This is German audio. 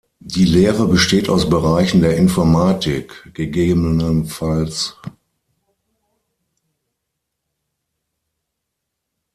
Die Lehre besteht aus Bereichen der Informatik, ggf.